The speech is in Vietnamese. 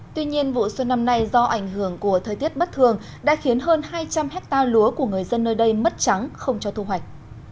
tuy nhiên vụ xuân năm nay do ảnh hưởng của thời tiết bất thường đã khiến hơn hai trăm linh hectare lúa của người dân nơi đây mất trắng không cho thu hoạch